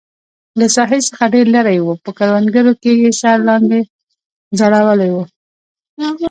له ساحې څخه ډېر لرې و، په کروندو کې یې سر لاندې ځړولی و.